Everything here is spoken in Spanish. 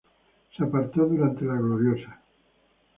Se apartó durante La Gloriosa.